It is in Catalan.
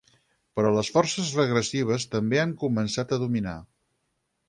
Però les forces regressives també han començat a dominar.